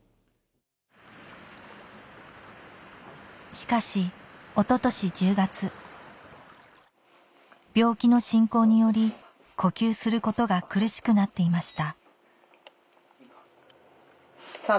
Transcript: しかし病気の進行により呼吸することが苦しくなっていました